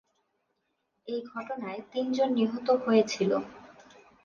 এই ঘটনায় তিনজন নিহত হয়েছিল।